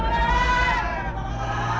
jangan lupa pak